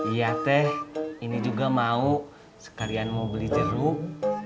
iya teh ini juga mau sekalian mau beli jeruk